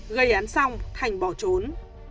gây án xong thành bỏ trốn